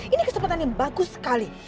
ini kesempatan yang bagus sekali